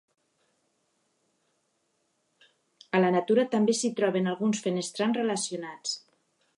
A la natura també s'hi troben alguns fenestrans relacionats.